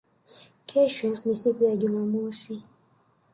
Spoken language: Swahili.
Kesho ni siku ya Jumamosi